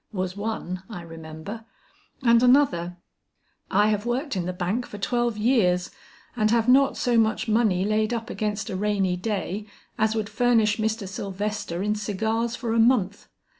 was one, I remember; and another, 'I have worked in the bank for twelve years and have not so much money laid up against a rainy day, as would furnish Mr. Sylvester in cigars for a month.'